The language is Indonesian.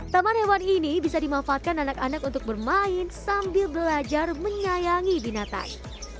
taman hewan ini bisa dimanfaatkan anak anak untuk bermain sambil belajar menyayangi binatang